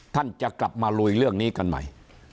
ท่านจะกลับมาลุยเรื่องนี้กันใหม่